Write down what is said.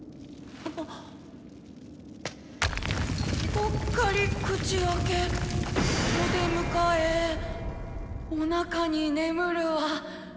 「ぽっかり口開け」「おでむかえ」「おなかに眠るは」